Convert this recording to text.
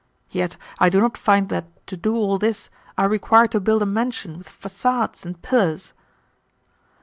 Yet I do not find that to do all this I require to build a mansion with facades and pillars!"